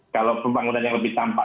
kalau pembangunan yang lebih tampak